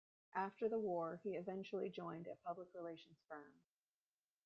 After the war, he eventually joined a public relations firm.